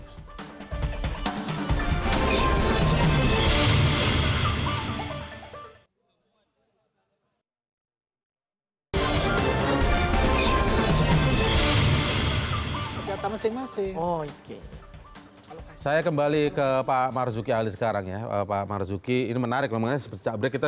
hai saya kembali ke pak marzuki alih sekarang ya pak marzuki ini menarik memang sebabnya kita